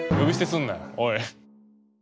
おい！